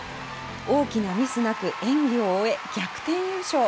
大きなミスなく演技を終え逆転優勝。